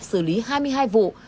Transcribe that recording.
xử lý hai mươi hai vụ